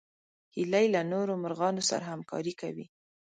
هیلۍ له نورو مرغانو سره همکاري کوي